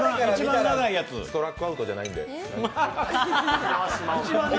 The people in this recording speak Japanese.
ストラックアウトじゃないんで。